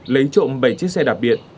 lấy trộm bảy chiếc xe đặc biệt